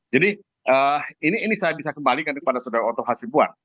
jadi ini saya bisa kembalikan kepada saudara otto hasimbuan